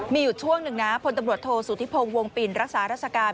มีอยู่ช่วงหนึ่งนะพลตำรวจโทษสุธิพงศ์วงปิ่นรักษาราชการ